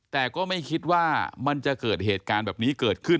แต่ก็ไม่คิดว่ามันจะเกิดเหตุการณ์แบบนี้เกิดขึ้น